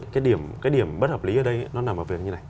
cái điểm bất hợp lý ở đây nó nằm vào việc như thế này